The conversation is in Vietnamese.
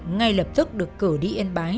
ngay lập tức được cử đi yên bái